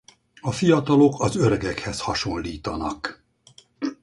A fiatalok az öregekhez hasonlítanak.